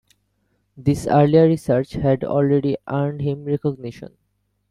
This earlier research had already earned him recognition.